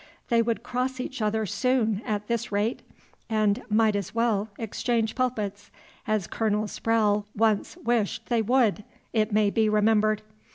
They would cross each other soon at this rate, and might as well exchange pulpits, as Colonel Sprowle once wished they would, it may be remembered.